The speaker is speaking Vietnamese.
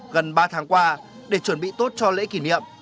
gần ba tháng qua để chuẩn bị tốt cho lễ kỷ niệm